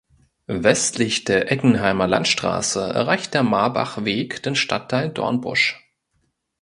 Westlich der Eckenheimer Landstraße erreicht der Marbachweg den Stadtteil Dornbusch.